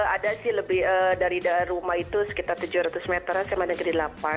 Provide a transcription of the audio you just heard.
ada sih lebih dari rumah itu sekitar tujuh ratus meter sma negeri delapan